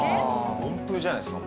温風じゃないですか。